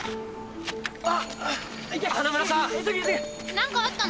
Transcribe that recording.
何かあったの？